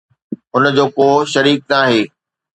هن جو ڪو شريڪ ناهي